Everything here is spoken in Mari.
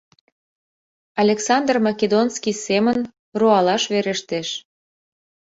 Александр Македонский семын, руалаш верештеш.